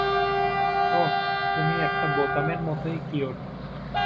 ওহ, তুমি একটা বোতামের মতোই কিউট।